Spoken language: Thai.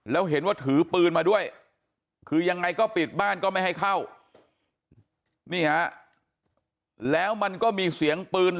แล้วเห็นว่าถือปืนมาด้วยคือยังไงก็ปิดบ้านก็ไม่ให้เข้านี่ฮะแล้วมันก็มีเสียงปืน